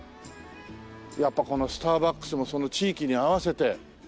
やっぱこのスターバックスもその地域に合わせて。